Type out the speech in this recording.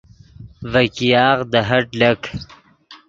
ڤے ګیاغ دے ہٹ لیغان